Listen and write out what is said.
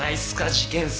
事件性。